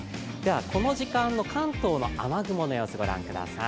この時間の関東の雨雲の様子、ご覧ください。